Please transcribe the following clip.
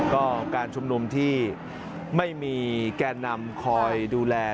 ก็การชุมนุมที่ไม่มีแก่นำคอยดูแล